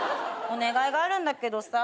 お願いがあるんだけどさ